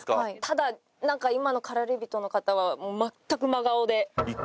ただなんか今の駆られ人の方は全く真顔で。